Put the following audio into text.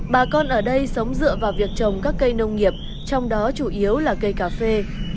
bà con ở đây sống dựa vào việc trồng các cây nông nghiệp trong đó chủ yếu là cây cà phê